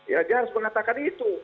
ya dia harus mengatakan itu